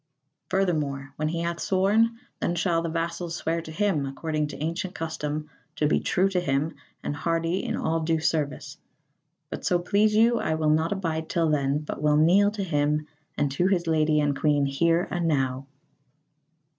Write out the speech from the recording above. "Furthermore, when he hath sworn, then shall the vassals swear to him according to ancient custom, to be true to him and hardy in all due service. But so please you I will not abide till then, but will kneel to him and to his Lady and Queen here and now."